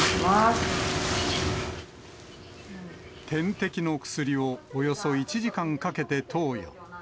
点滴の薬をおよそ１時間かけて投与。